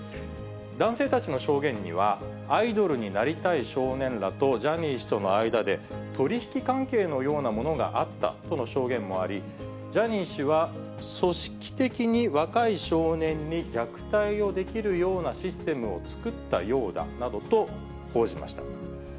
男性たちの証言には、アイドルになりたい少年らとジャニー氏との間で、取り引き関係のようなものがあったとの証言もあり、ジャニー氏は組織的に若い少年に虐待をできるようなシステムを作ったようだなどと報じました。